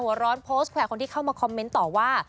หัวร้อนโพสต์แขวคนที่เข้ามาคอมเมนต์ต่อว่า